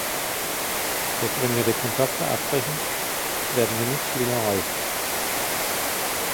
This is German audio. Doch wenn wir die Kontakte abbrechen, werden wir nicht viel erreichen.